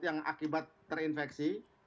yang akibat terinfeksi